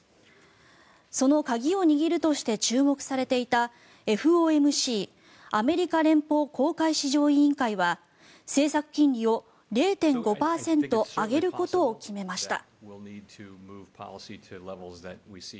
その鍵を握るとして注目されていたＦＯＭＣ・アメリカ連邦公開市場委員会は政策金利を０．５％上げることを決めました。